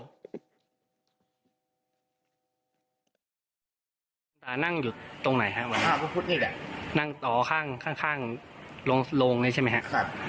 กุญตานั่งอยู่ตรงไหนครับนั่งต่อข้างโรงนี้ใช่ไหมครับ